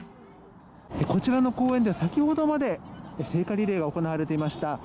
こちらの公園で先ほどまで、聖火リレーが行われていました。